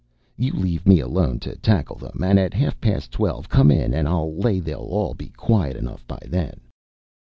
You leave me alone to tackle them, and at half past twelve come in, and I'll lay they'll be quiet enough by then."